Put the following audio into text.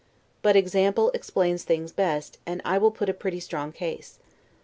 But example explains things best, and I will put a pretty strong case.